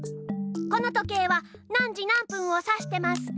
この時計は何時何分をさしてますか？